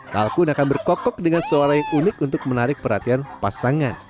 kalkun akan berkokok dengan suara yang unik untuk menarik perhatian pasangan